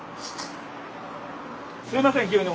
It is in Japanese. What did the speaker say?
すみません急に。